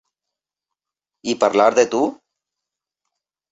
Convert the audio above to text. I parlar de tu?